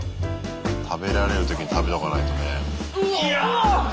食べられるときに食べておかないとね。